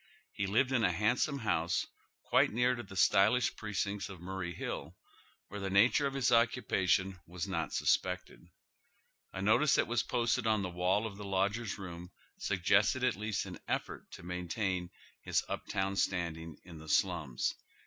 He lived in a handsome house quite near to the stylish pi'ecincts of Murray Hill, where the nature of his occupa tion was not suspected. A notice that was posted on the wall of the lodgers' room snggested at least an efEort to maintain hie up town standing in the alums.